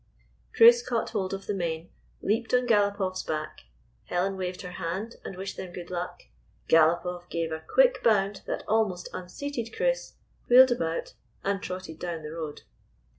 Chris caught hold of the mane, leaped on GalopofFs back, Helen waved her hand and wished them good luck, Galopoff gave a quick bound that almost unseated Chris, wheeled about, and trotted down the road.